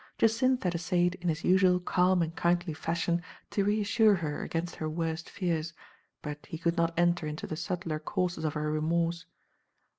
Jacynth had essayed, in his usual calm and kindly fashion, to reassure her against her worst fears, but he could not enter into the subtler causes of her remorse.